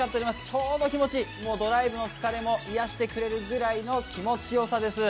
ちょうど気持ちいい、ドライブの疲れも癒やしてくれるぐらいの気持ちよさです。